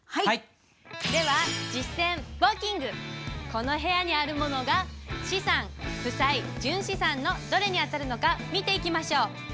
この部屋にあるものが資産負債純資産のどれに当たるのか見ていきましょう。